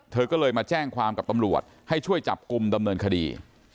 เธอก็เลยมาแจ้งความกับตำรวจให้ช่วยจับกลุ่มดำเนินคดี